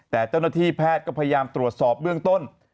แต่เจ้าหน้าที่แพทย์ก็พยายามตรวจสอบเบื้องต้น